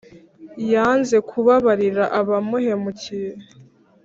yanze kubabarira abamuhemukiye